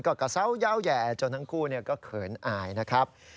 ก็กะซาวแย่จนทั้งคู่เหคืนอายนะครับ